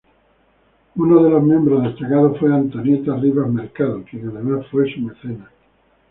Uno de los miembros destacados fue Antonieta Rivas Mercado, quien además fue su mecenas.